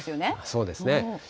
そうですね。